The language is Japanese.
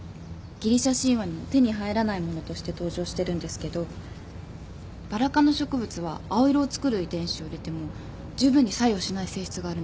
ギリシャ神話にも手に入らない物として登場してるんですけどバラ科の植物は青色をつくる遺伝子を入れてもじゅうぶんに作用しない性質があるんです